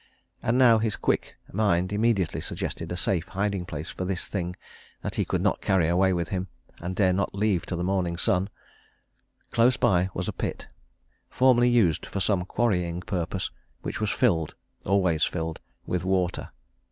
And now his quick mind immediately suggested a safe hiding place for this thing that he could not carry away with him, and dare not leave to the morning sun close by was a pit, formerly used for some quarrying purpose, which was filled, always filled, with water.